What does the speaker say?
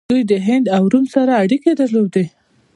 دوی د هند او روم سره اړیکې درلودې